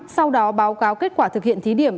sau đó báo cáo kết quả thực hiện thí điểm